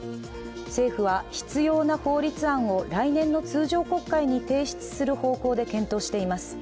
政府は必要な法律案を来年の通常国会に提出する方向で検討しています。